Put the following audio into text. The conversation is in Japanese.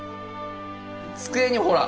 机にほら。